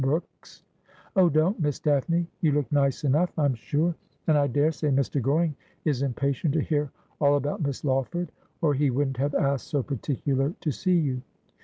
Brooks. '' Oh, don't. Miss Daphne. You look nice enough, I'm sure. And I daresay Mr. Goring is impatient to hear all about Miss Lawford, or he wouldn't have asked so particular to see you.'